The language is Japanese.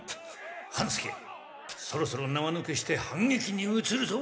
半助そろそろ縄抜けして反撃にうつるぞ。